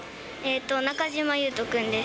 中島裕翔君です。